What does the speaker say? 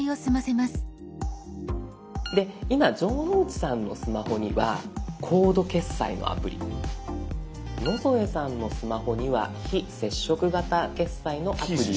今城之内さんのスマホにはコード決済のアプリ野添さんのスマホには非接触型決済のアプリを。